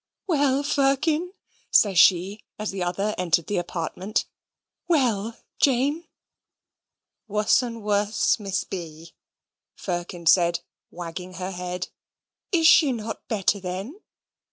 "Well, Firkin?" says she, as the other entered the apartment. "Well, Jane?" "Wuss and wuss, Miss B.," Firkin said, wagging her head. "Is she not better then?"